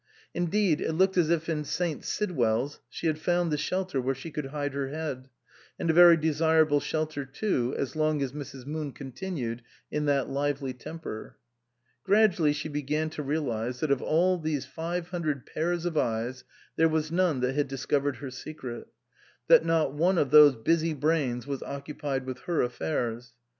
Indeed it looked as if in St. Sidwell's she had found the shelter where she could hide her head ; and a very desirable shelter too, as long as Mrs. Moon continued in that lively temper. Gradually she began to realize that of all those five hundred pairs of eyes there was none that had discovered her secret ; that not one of those busy brains was occupied with her affairs.